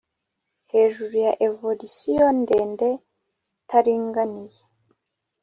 hejuru ya evolisiyo ndende, itaringaniye